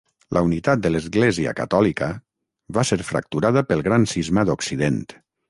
La unitat de l'Església catòlica va ser fracturada pel Gran cisma d'Occident.